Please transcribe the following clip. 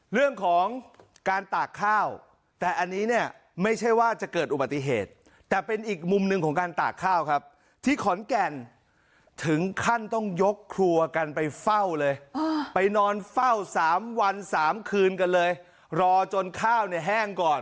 เรื่องของการตากข้าวแต่อันนี้เนี่ยไม่ใช่ว่าจะเกิดอุบัติเหตุแต่เป็นอีกมุมหนึ่งของการตากข้าวครับที่ขอนแก่นถึงขั้นต้องยกครัวกันไปเฝ้าเลยไปนอนเฝ้าสามวันสามคืนกันเลยรอจนข้าวเนี่ยแห้งก่อน